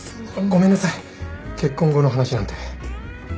ごめんなさい結婚後の話なんて。